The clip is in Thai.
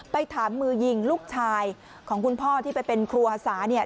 ไปถามมือยิงลูกชายของคุณพ่อที่ไปเป็นครูอาสาเนี่ย